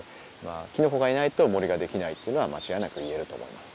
きのこがいないと森ができないというのは間違いなくいえると思います。